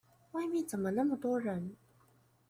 外面怎麼那麼多人？